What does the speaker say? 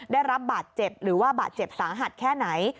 ได้รับบาดเจ็บหรือว่าบาดเจ็บสาหัสแค่ไหน